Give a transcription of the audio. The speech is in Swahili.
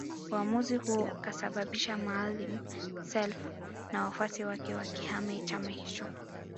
Uamuzi huo ukasababisha Maalim Self na wafuasi wake wakihame chama hicho